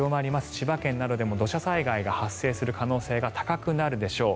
千葉県などでも土砂災害が発生する可能性が高くなるでしょう。